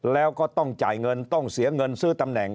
แล้วก็ต้องจ่ายเงินต้องเสียเงินซื้อตำแหน่ง